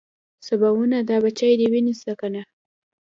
سباوونه دا بچي دې ونيسه کنه.